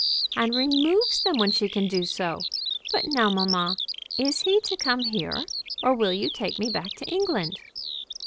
"And removes them when she can do so. But now, mamma, is he to come here, or will you take me back to England?"